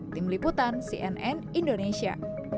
tim liputan cnn indonesia